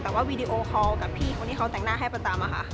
แต่ว่าวิดีโอคอลกับพี่เค้านี่เค้าแต่งหน้าให้ประตามอะค่ะ